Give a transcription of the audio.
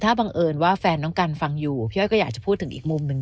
ถ้าบังเอิญว่าแฟนน้องกันฟังอยู่พี่อ้อยก็อยากจะพูดถึงอีกมุมหนึ่ง